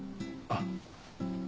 あっ。